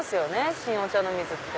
新御茶ノ水って。